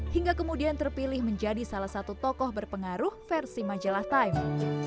hingga kemudian terpilih menjadi salah satu tokoh berpengaruh versi majalah time